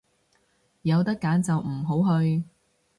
有得揀就唔好去